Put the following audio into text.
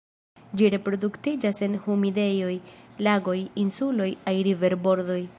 Ĝi reproduktiĝas en humidejoj, lagoj, insuloj aŭ riverbordoj.